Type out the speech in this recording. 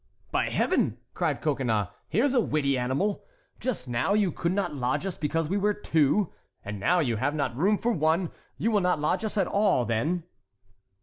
"By Heaven!" cried Coconnas, "here's a witty animal! Just now you could not lodge us because we were two, and now you have not room for one. You will not lodge us at all, then?"